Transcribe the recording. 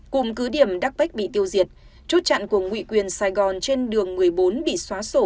cùng cứ điểm đắc bé bị tiêu diệt chốt chặn của nguyện quyền sài gòn trên đường một mươi bốn bị xóa sổ